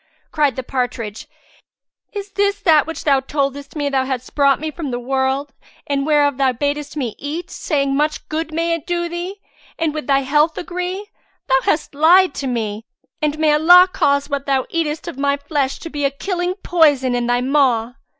Cried the partridge, "Is this that which thou toldest me thou hadst brought me from the wold, and whereof thou badest me eat, saying, 'Much good may it do thee, and with thy health agree?' Thou hast lied to me, and may Allah cause what thou eatest of my flesh to be a killing poison in thy maw!"